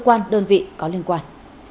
cơ quan đơn vị có liên quan